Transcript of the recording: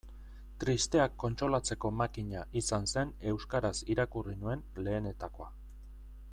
Tristeak kontsolatzeko makina izan zen euskaraz irakurri nuen lehenetakoa.